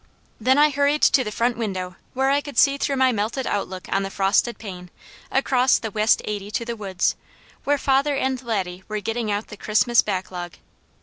Then I hurried to the front window, where I could see through my melted outlook on the frosted pane, across the west eighty to the woods, where father and Laddie were getting out the Christmas backlog.